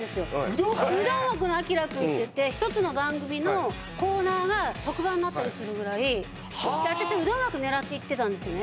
うどん枠のアキラくんっていって一つの番組のコーナーが特番になったりするぐらいはあで私うどん枠狙っていってたんですよね